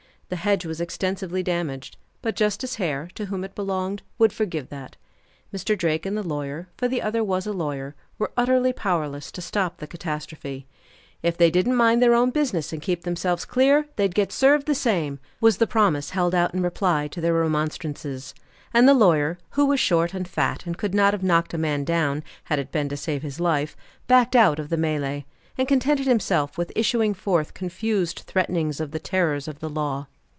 The hedge was extensively damaged, but Justice Hare, to whom it belonged, would forgive that. Mr. Drake and the lawyer for the other was a lawyer were utterly powerless to stop the catastrophe. "If they didn't mind their own business, and keep themselves clear, they'd get served the same," was the promise held out in reply to their remonstrances; and the lawyer, who was short and fat, and could not have knocked a man down, had it been to save his life, backed out of the melee, and contented himself with issuing forth confused threatenings of the terrors of the law.